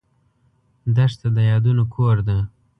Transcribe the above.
دښته د یادونو کور ده.